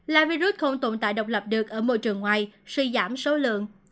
là virus không tồn tại độc lập được ở môi trường ngoài suy giảm số lượng